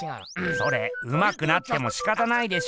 それうまくなってもしかたないでしょ。